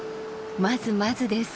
まずまずです。